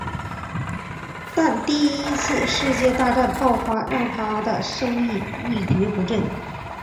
但第一次世界大战爆发让他的生意一蹶不振。